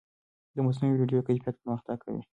د مصنوعي ویډیو کیفیت پرمختګ کوي.